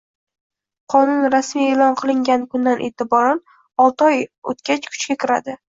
Qonun rasmiy e’lon qilingan kundan e’tiboran olti oy o‘tgach kuchga kiradi.